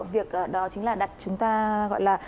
việc đó chính là đặt chúng ta